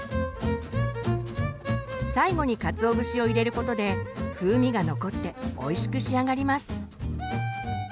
最後にかつお節を入れることで風味が残っておいしく仕上がります。